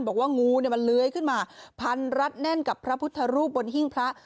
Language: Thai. บอกว่างูเนี่ยมันเลื้อยขึ้นมาพันรัดแน่นกับพระพุทธรูปบนหิ้งพระ